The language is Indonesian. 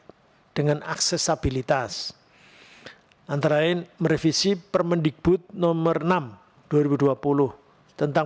terkait dengan aksesabilitas antara lain merevisi permendikbud nomor enam dua ribu dua puluh tentang